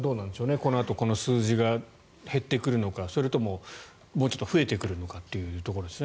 このあとこの数字が減ってくるのかそれとももうちょっと増えてくるのかというところですね。